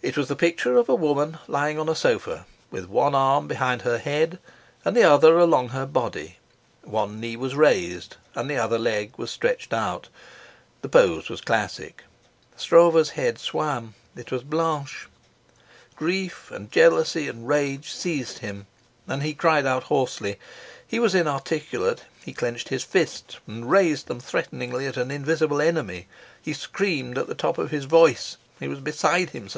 It was the picture of a woman lying on a sofa, with one arm beneath her head and the other along her body; one knee was raised, and the other leg was stretched out. The pose was classic. Stroeve's head swam. It was Blanche. Grief and jealousy and rage seized him, and he cried out hoarsely; he was inarticulate; he clenched his fists and raised them threateningly at an invisible enemy. He screamed at the top of his voice. He was beside himself.